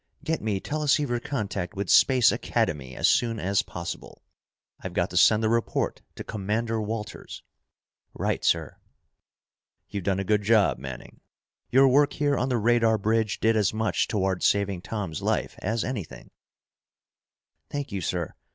Get me teleceiver contact with Space Academy as soon as possible. I've got to send a report to Commander Walters." "Right, sir." "You've done a good job, Manning. Your work here on the radar bridge did as much toward saving Tom's life as anything." "Thank you, sir.